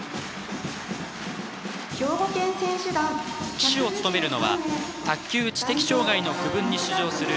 旗手を務めるのは卓球・知的障害の区分に出場する